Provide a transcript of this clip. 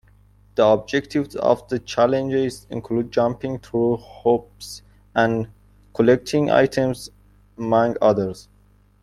The objectives of the challenges include jumping through hoops and collecting items, among others.